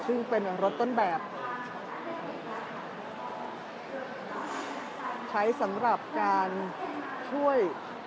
ซึ่งเป็นรถต้นแบบใช้สำหรับการช่วย